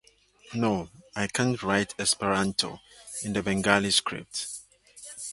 No, I can't write Esperanto in the Bengali script.